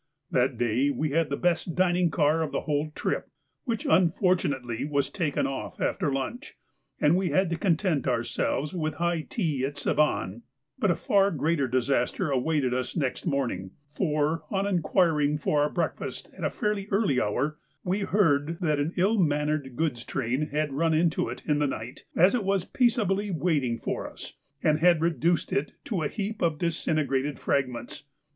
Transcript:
That day we had the best dining car of the whole trip, which unfortunately was taken off after lunch, and we had to content ourselves with high tea at Savanne; but a far greater disaster awaited us next morning, for, on inquiring for our breakfast at a fairly early hour, we heard that an ill mannered goods train had run into it in the night as it was peaceably waiting for us, and had reduced it to a heap of disintegrated fragments.